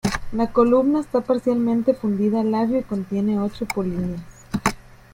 La columna está parcialmente fundida al labio y contiene ocho polinias.